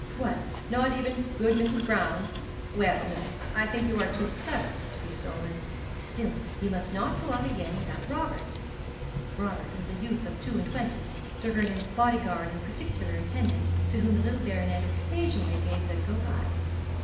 'What, not even good Mrs. Brown? Well, no; I think you are too clever to be stolen. Still you must not go out again without Robert.' (Robert was a youth of two and twenty, Sir Vernon's body guard and particular attendant, to whom the little baronet occasionally gave the go by.)